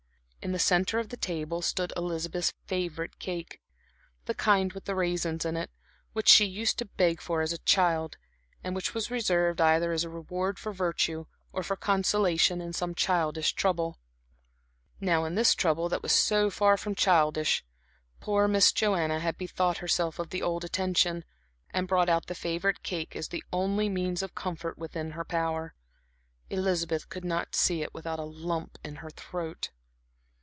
In the centre of the table stood Elizabeth's favorite cake the kind with the raisins in it, which she used to beg for as a child, and which was reserved either as a reward for virtue, or for consolation in some childish trouble. Now in this trouble that was so far from childish, poor Miss Joanna had bethought herself of the old attention, and brought out the favorite cake as the only means of comfort within her power. Elizabeth could not see it without a lump in her throat.